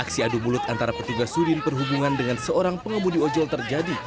aksi adu mulut antara petugas sudin perhubungan dengan seorang pengemudi ojol terjadi